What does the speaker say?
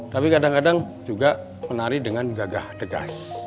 tapi kadang kadang juga menari dengan gagah degas